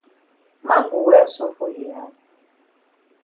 Man go well so for yi hand?